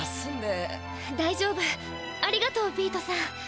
ありがとうビートさん。